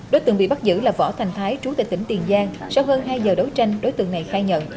đối tượng bị bắt giữ là võ thành thái trú tại tỉnh tiền giang sau hơn hai giờ đấu tranh đối tượng này khai nhận